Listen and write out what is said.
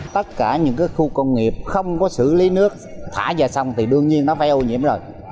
tất cả những cái khu công nghiệp không có xử lý nước thả ra sông thì đương nhiên nó phải ô nhiễm rồi